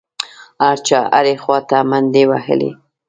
هر چا هرې خوا ته منډې وهلې.